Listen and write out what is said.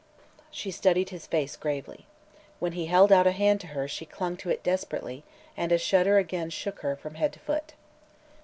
She studied his face gravely. When he held out a hand to her she clung to it desperately and a shudder again shook her from head to foot.